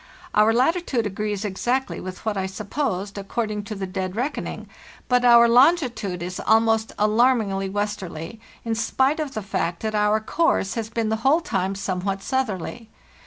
Our latitude agrees exactly with what I supposed, according to the dead reckoning, but our longitude is almost alarmingly westerly, in spite of the fact that our course has been the whole time somewhat southerly.